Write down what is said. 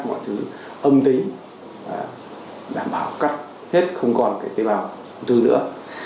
mọi thứ âm tính đảm bảo cắt hết không còn cái tê bào ung thư nữa